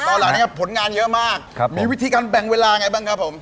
ตอนหลังเนี่ยผลงานเยอะมากมีวิธีการแบ่งเวลาไงบ้างครับผม